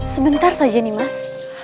sebentar saja nimas